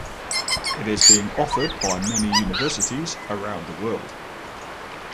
It is being offered by many universities around the world.